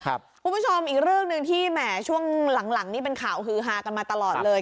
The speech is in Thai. คุณผู้ชมอีกเรื่องหนึ่งที่แหมช่วงหลังนี่เป็นข่าวฮือฮากันมาตลอดเลย